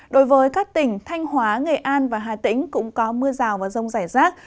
đối với các tỉnh thanh hóa nghệ an và hà tĩnh cũng có mưa rào và rông rải rác